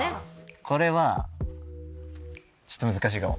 これはちょっと難しいかも。